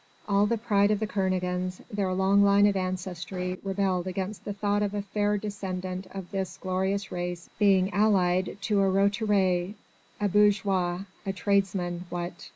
All the pride of the Kernogans, their long line of ancestry, rebelled against the thought of a fair descendant of this glorious race being allied to a roturier a bourgeois a tradesman, what?